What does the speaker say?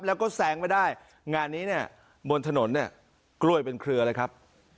แล้วก็แซงไม่ได้งานนี้เนี่ยบนถนนเนี่ยกล้วยเป็นเครือเลยครับ